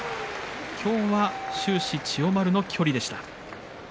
今日は終始千代丸の距離でした。